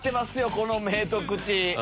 この目と口。